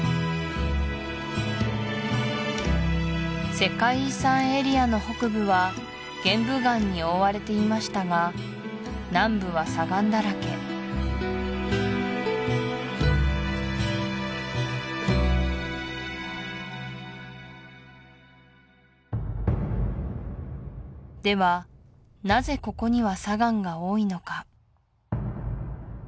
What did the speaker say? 世界遺産エリアの北部は玄武岩に覆われていましたが南部は砂岩だらけではなぜここには砂岩が多いのか？